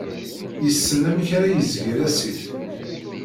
Yessen amek ara yezger asif.